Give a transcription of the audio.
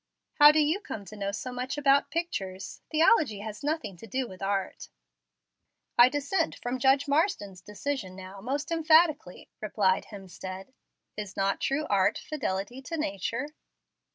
"How do you come to know so much about pictures? Theology has nothing to do with art." "I dissent from Judge Marsden's decision now, most emphatically," replied Hemstead. "Is not true art fidelity to nature?"